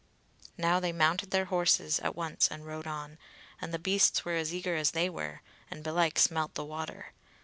Now they mounted their horses at once and rode on; and the beasts were as eager as they were, and belike smelt the water.